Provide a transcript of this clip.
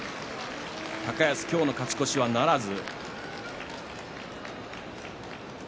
高安、今日の勝ち越しならず。